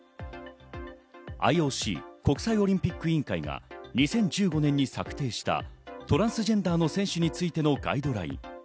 ＩＯＣ＝国際オリンピック委員会が２０１５年に策定したトランスジェンダーの選手についてのガイドライン。